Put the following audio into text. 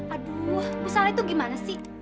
aduh bu saleh itu gimana sih